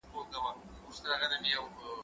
دا واښه له هغه پاکه ده!.